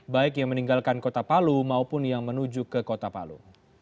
baik yang meninggalkan kota palu maupun yang menuju ke kota palu